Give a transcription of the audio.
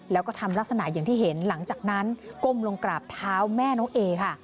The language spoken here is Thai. แล้วก็ทำลักษณะอย่างที่เห็นหลังจากนั้นก้มลงกราบเท้าแม่น้องเอค่ะ